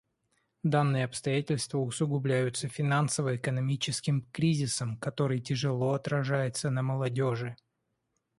Данные обстоятельства усугубляются финансово-экономическим кризисом, который тяжело отражается на молодежи.